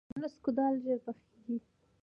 د نسکو دال ژر پخیږي.